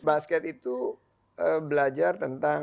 basket itu belajar tentang